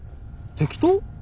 適当？